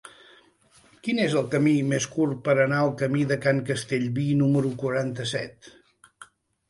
Quin és el camí més curt per anar al camí de Can Castellví número quaranta-set?